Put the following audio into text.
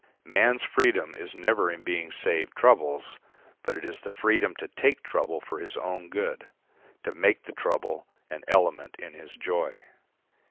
Man's freedom is never in being saved troubles, but it is the freedom to take trouble for his own good, to make the trouble an element in his joy.